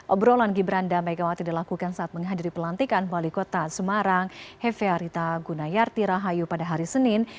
obrolan gibran dan megawati dilakukan saat menghadiri pelantikan wali kota semarang hefearita gunayarti rahayu pada hari senin